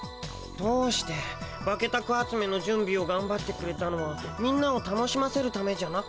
どうしてバケタク集めのじゅんびをがんばってくれたのはみんなを楽しませるためじゃなかったの？